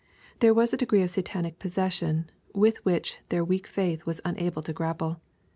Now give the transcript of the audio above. There was a degree of Satanic possession, with which their weak faith was unable to grapple.